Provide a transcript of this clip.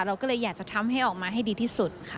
เราก็เลยอยากจะทำให้ออกมาให้ดีที่สุดค่ะ